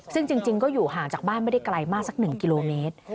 ซึ่งจริงก็อยู่ห่างจากบ้านไม่ได้ไกลมากสัก๑กิโลเมตร